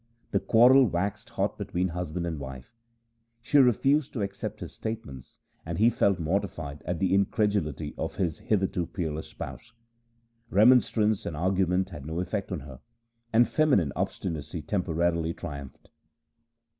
The quarrel waxed hot between husband and wife. She refused to accept his statements, and he felt mortified at the incredulity of his hitherto peerless spouse. Remonstrance and argument had no effect on her, and feminine obstinacy temporarily triumphed.